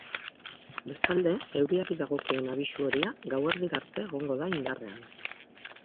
Bestalde, euriari dagokion abisu horia gauerdira arte egongo da indarrean.